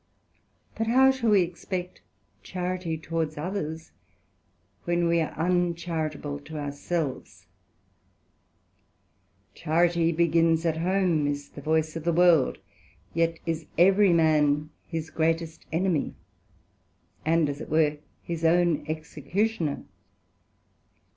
But how shall we expect Charity towards others, when we are uncharitable to our selves? Charity begins at home, is the voice of the World; yet is every man his greatest enemy, and as it were, his own Executioner.